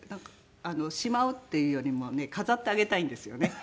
しまうっていうよりもね飾ってあげたいんですよね。